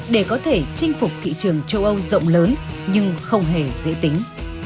để có thể chinh phục thị trường châu âu rộng lớn nhưng không hề dễ tính